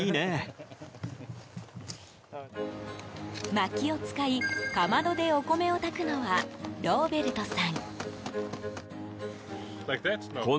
まきを使い、かまどでお米を炊くのはローベルトさん。